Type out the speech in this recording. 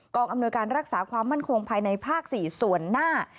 อำนวยการรักษาความมั่นคงภายในภาค๔ส่วนหน้า